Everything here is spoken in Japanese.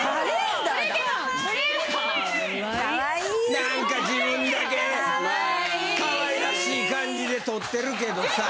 なんか自分だけかわいらしい感じで撮ってるけどさ。